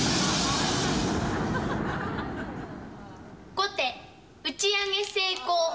後手打ち上げ成功。